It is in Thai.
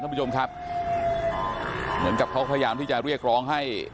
ท่านผู้ชมครับเหมือนกับเขาพยายามที่จะเรียกร้องให้